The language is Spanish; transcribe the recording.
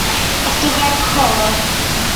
Stuka Jr.